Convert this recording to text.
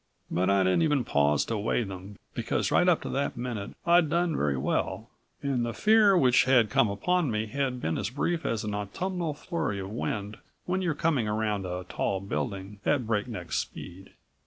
But I didn't even pause to weigh them, because right up to that minute I'd done very well, and the fear which had come upon me had been as brief as an autumnal flurry of wind when you're coming around a tall building at breakneck speed.